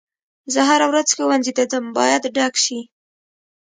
زه هره ورځ ښوونځي ته ځم باید ډک شي.